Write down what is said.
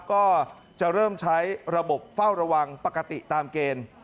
ก็จะเริ่มใช้ระบบเฝ้าระวังปกติตามเกณฑ์